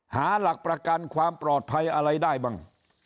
หาหลักประกันความปลอดภัยอะไรได้บ้าง